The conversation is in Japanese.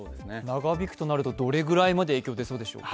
長引くとなると、どれぐらいまで影響が出そうですか？